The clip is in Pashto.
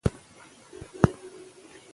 د فراه کلا د غلجيو تر کنټرول لاندې وه.